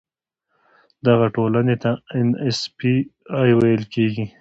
دغه ټولنې ته ان ایس پي اي ویل کیږي.